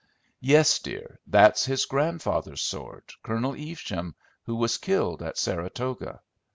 "Yes, dear; that's his grandfather's sword Colonel Evesham, who was killed at Saratoga."